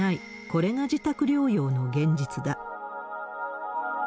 これが自宅療養の現実だ。